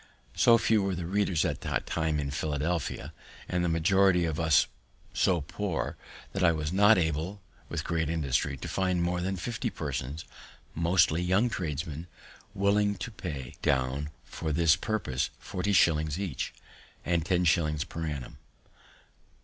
So few were the readers at that time in Philadelphia, and the majority of us so poor, that I was not able, with great industry, to find more than fifty persons, mostly young tradesmen, willing to pay down for this purpose forty shillings each, and ten shillings per annum.